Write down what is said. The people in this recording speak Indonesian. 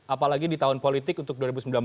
apalagi di tahun politik untuk dua ribu sembilan belas